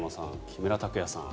木村拓哉さん。